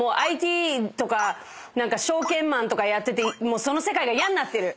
ＩＴとか何か証券マンとかやっててもうその世界が嫌になってる。